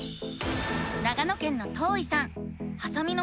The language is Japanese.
長野県のとういさん。